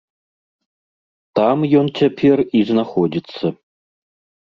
Там ён цяпер і знаходзіцца.